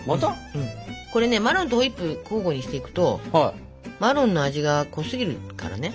うんこれねマロンとホイップ交互にしていくとマロンの味が濃すぎるからね。